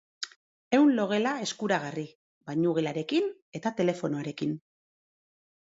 Ehun logela eskuragarri, bainugelarekin eta telefonoarekin.